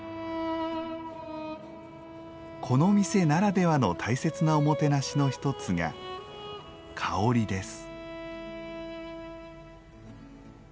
この店ならではの大切なおもてなしの１つが香りです。